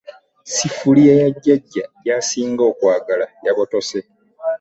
Sseffuliya ya jjajja gy'asinga okwagala yabotose.